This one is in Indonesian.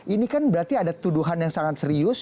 ini kan berarti ada tuduhan yang sangat serius